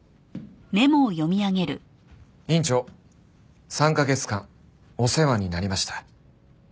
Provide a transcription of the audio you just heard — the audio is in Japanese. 「院長三カ月間お世話になりました」